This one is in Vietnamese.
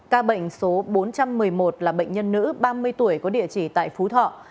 ca bệnh số bốn trăm một mươi một là bệnh nhân nữ ba mươi tuổi có địa chỉ tại phú thọ